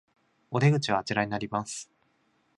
お出口はあちらになります